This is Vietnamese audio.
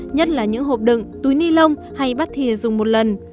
nhất là những hộp đựng túi ni lông hay bát thịa dùng một lần